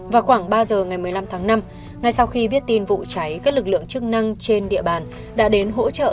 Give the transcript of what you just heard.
vào khoảng ba giờ ngày một mươi năm tháng năm ngay sau khi viết tin vụ cháy các lực lượng chức năng trên địa bàn đã đến hỗ trợ